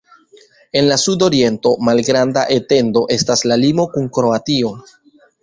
En la sudoriento, malgranda etendo estas la limo kun Kroatio.